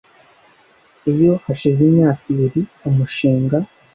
Iyo hashize imyaka ibiri umushinga